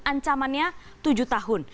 ancamannya tujuh tahun